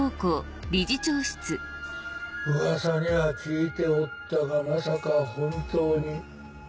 噂には聞いておったがまさか本当に。